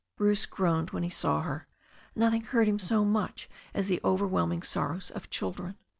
Bruce groaned when he saw her. Nothing hurt him so much as the overwhelming sorrows of children.